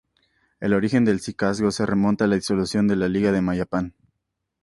El origen del cacicazgo se remonta a la disolución de la liga de Mayapán.